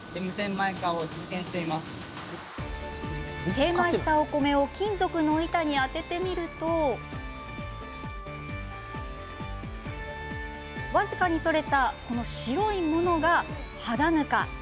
精米したお米を金属の板に当ててみると僅かに取れた白いものが肌ぬか。